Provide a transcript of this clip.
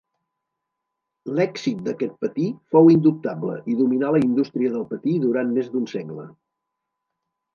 L'èxit d'aquest patí fou indubtable i dominà la indústria del patí durant més d'un segle.